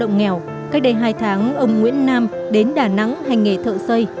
các đồng nghèo cách đây hai tháng ông nguyễn nam đến đà nẵng hành nghề thợ xây